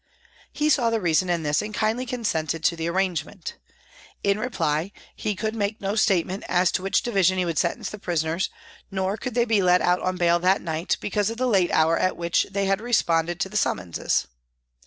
He saw the reason of this and kindly consented to the arrangement. In reply, he could make no statement as to which Division he would sentence the prisoners, nor could they be let out on bail that night, because of the late hour at which they had responded to the sum monses.